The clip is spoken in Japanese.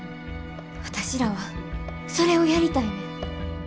私らはそれをやりたいねん。